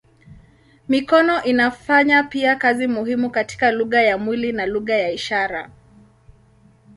Mikono inafanya pia kazi muhimu katika lugha ya mwili na lugha ya ishara.